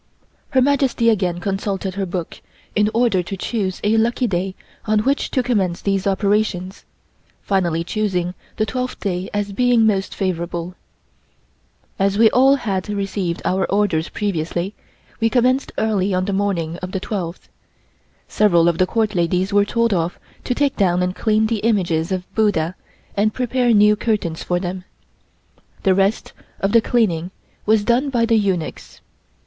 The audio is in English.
Her Majesty again consulted her book in order to choose a lucky day on which to commence these operations, finally choosing the twelfth day as being most favorable. As we had all received our orders previously, we commenced early on the morning of the twelfth. Several of the Court ladies were told off to take down and clean the images of Buddha and prepare new curtains for them. The rest of the cleaning was done by the eunuchs.